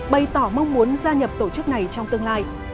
bày tỏ mong muốn gia nhập tổ chức này trong tương lai